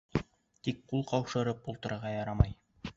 Тик ҡул ҡаушырып ултырырға ярамай.